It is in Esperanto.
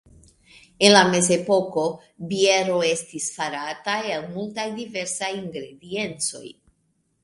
En la mezepoko biero estis farata el multaj diversaj ingrediencoj.